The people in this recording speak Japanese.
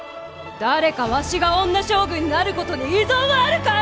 誰かわしが女将軍になることに異存はあるかえ！